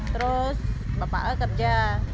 terus bapaknya kerja